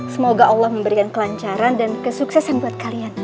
semoga allah memberikan kelancaran dan kesuksesan buat kalian